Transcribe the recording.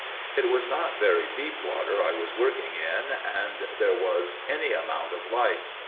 "'It was not very deep water I was working in, and there was any amount of light.